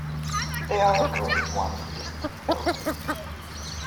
They are a Grade One listed building.